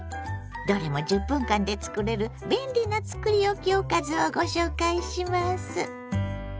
どれも１０分間でつくれる便利なつくりおきおかずをご紹介します。